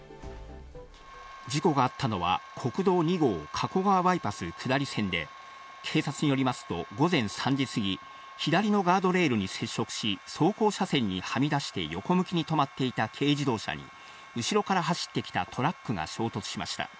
事故があったのは国道２号・加古川バイパス下り線で、警察によりますと、午前３時過ぎ、左のガードレールに接触し走行車線にはみ出して横向きに止まっていた軽自動車に後ろから走ってきたトラックが衝突しました。